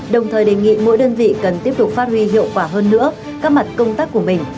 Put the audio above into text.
đồng thời đề nghị mỗi đơn vị cần tiếp tục phát huy hiệu quả hơn nữa các mặt công tác của mình